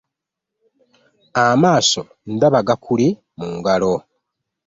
Amaaso ndaba gakuli mu ngalo.